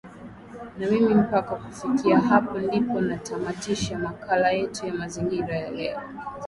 na mimi mpaka kufikia hapo ndipo natamatisha makala yetu ya mazingira leo